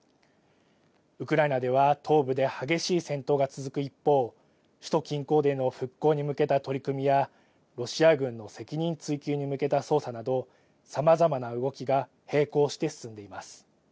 ウクライナでは東部で激しい戦闘が続く一方、首都近郊での復興に向けた取り組みや、ロシア軍の責任追及に向けた捜査などさまざまな動きが並行して進んでいます。